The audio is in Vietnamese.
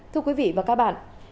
thưa quý vị và các bạn